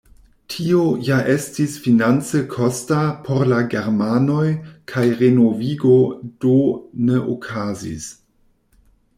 Tio ja estis finance kosta por la germanoj kaj renovigo do ne okazis.